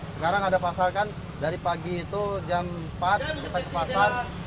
sekarang ada pasar kan dari pagi itu jam empat kita ke pasar